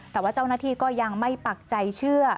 แต่ว่าเจ้าหน้าที่ก็ยังไม่ปักใจเชื่อ